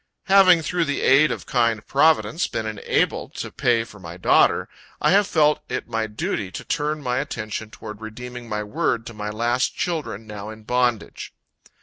Having, through the aid of a kind Providence, been enabled to pay for my daughter, I have felt it my duty to turn my attention toward redeeming my word to my last children now in bondage.